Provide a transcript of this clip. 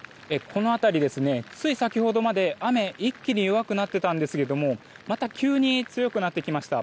この辺り、つい先ほどまで雨が一気に弱くなっていたんですがまた急に強くなってきました。